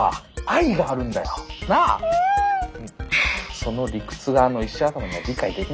その理屈があの石頭には理解できなくてさ。